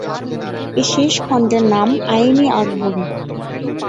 এ শেষ খন্ডের নাম আইন-ই-আকবরী।